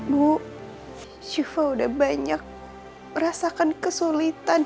bu syifa udah banyak merasakan kesulitan